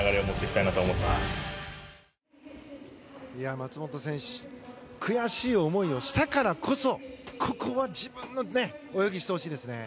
松元選手悔しい思いをしたからこそここは自分の泳ぎをしてほしいですね。